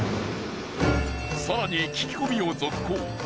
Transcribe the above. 更に聞き込みを続行。